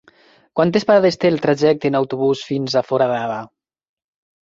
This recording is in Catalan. Quantes parades té el trajecte en autobús fins a Foradada?